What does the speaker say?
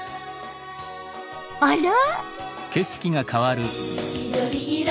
あら？